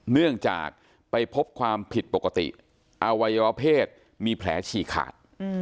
เนื่องจากไปพบความผิดปกติอวัยวะเพศมีแผลฉีกขาด